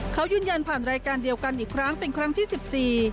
เขายืนยันผ่านรายการเดียวกันอีกครั้งเป็นครั้งที่สิบสี่